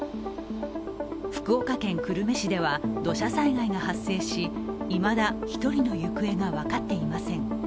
福岡県久留米市では土砂災害が発生しいまだ１人の行方が分かっていません。